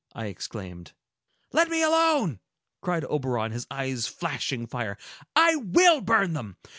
I exclaimed. "Let me alone!" cried Oberon, his eyes flashing fire. "I will burn them!